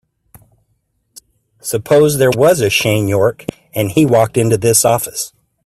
Suppose there was a Shane York and he walked into this office.